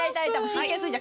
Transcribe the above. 神経衰弱。